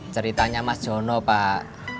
ceritanya mas jono pak